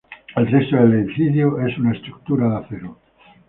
El resto del edificio es una estructura de acero.